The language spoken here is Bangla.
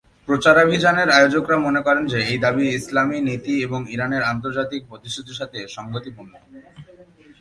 প্রচারাভিযানের আয়োজকরা মনে করেন যে, এ দাবি ইসলামী নীতি এবং ইরানের আন্তর্জাতিক প্রতিশ্রুতির সাথে সঙ্গতিপূর্ণ।